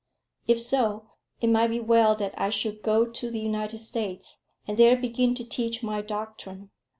If so, it might be well that I should go to the United States, and there begin to teach my doctrine.